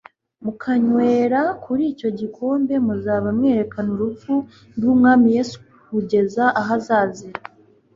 mukanywera kuri icyo gikombe muzaba mwerekana urupfu rw'Umwami Yesu kugeza aho azazira.'"